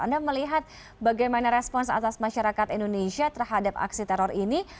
anda melihat bagaimana respons atas masyarakat indonesia terhadap aksi teror ini